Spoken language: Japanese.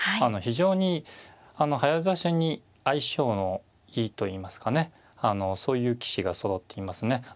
非常に早指しに相性のいいといいますかねそういう棋士がそろっていますね。